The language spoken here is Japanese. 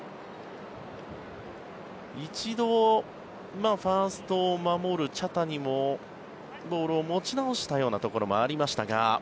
一度、ファーストを守る茶谷もボールを持ち直したようなところもありましたが。